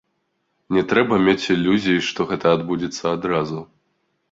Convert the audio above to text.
Не трэба мець ілюзій, што гэта адбудзецца адразу.